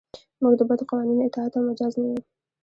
موږ د بدو قوانینو اطاعت ته مجاز نه یو.